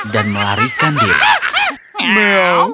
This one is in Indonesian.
dan melarikan diri